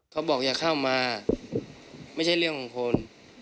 เขาบอกอย่าเข้ามาไม่ใช่เรื่องของคน